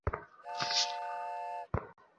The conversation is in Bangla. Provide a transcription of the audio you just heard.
ওইগুলো এখনও আছে।